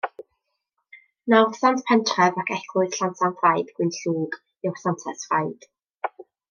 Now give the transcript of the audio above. Nawddsant pentref ac eglwys Llansanffraid Gwynllŵg yw'r Santes Ffraid.